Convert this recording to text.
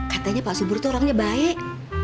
katanya pak subur itu orangnya baik